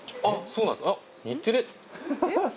そうなんですか。